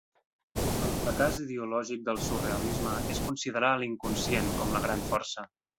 El fracàs ideològic del surrealisme és considerar l'inconscient com la gran força.